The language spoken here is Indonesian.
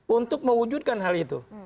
untuk mewujudkan hal itu